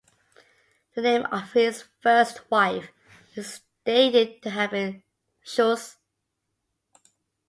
The name of his first wife is stated to have been Schultz.